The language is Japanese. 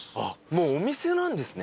もうお店なんですね